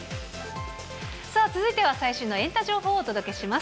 さあ、続いては最新のエンタ情報をお届けします。